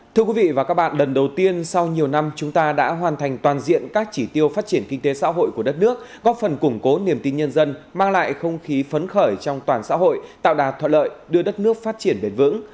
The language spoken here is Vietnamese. thưa quý vị và các bạn lần đầu tiên sau nhiều năm chúng ta đã hoàn thành toàn diện các chỉ tiêu phát triển kinh tế xã hội của đất nước góp phần củng cố niềm tin nhân dân mang lại không khí phấn khởi trong toàn xã hội tạo đà thuận lợi đưa đất nước phát triển bền vững